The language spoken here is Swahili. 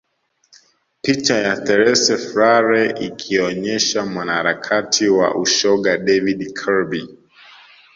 Picha ya Therese Frare ikionyesha mwanaharakati wa ushoga David Kirby